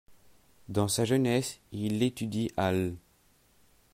Dans sa jeunesse, il étudie à l'.